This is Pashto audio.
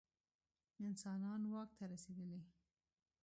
انسانان واک ته رسېدلي.